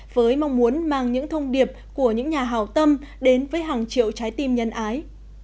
với mong muốn mang những thông điệp của những nhà hào tâm đến với hàng triệu trái tim nhân ái